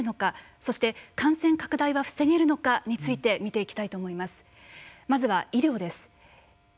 そして感染拡大は防げるのかについて見ていきたいと思います。